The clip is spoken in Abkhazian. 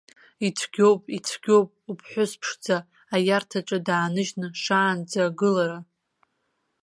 Ицәгьоуп, ицәгьоуп уԥҳәыс ԥшӡа аиарҭаҿы дааныжьны шаанӡа агылара!